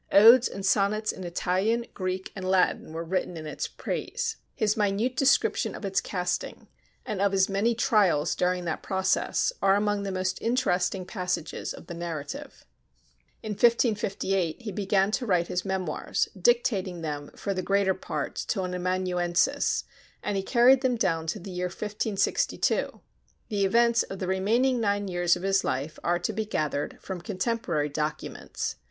Odes and sonnets in Italian, Greek, and Latin were written in its praise. His minute description of its casting, and of his many trials during that process, are among the most interesting passages of the narrative. In 1558 he began to write his memoirs, dictating them for the greater part to an amanuensis; and he carried them down to the year 1562. The events of the remaining nine years of his life are to be gathered from contemporary documents.